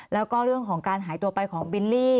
แล้วก็เรื่องของการหายตัวไปของบิลลี่